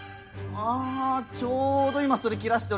あちょうど今それ切らしておりまして。